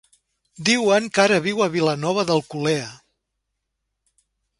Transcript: Diuen que ara viu a Vilanova d'Alcolea.